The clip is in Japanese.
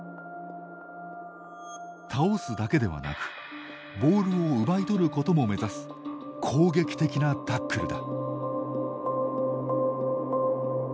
倒すだけではなくボールを奪いとることも目指す攻撃的なタックルだ。